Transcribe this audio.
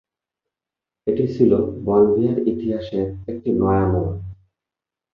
এটি ছিল বলিভিয়ার ইতিহাসের একটি নয়া মোড়।